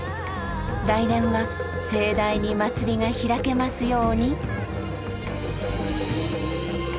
来年は盛大に祭りが開けますように！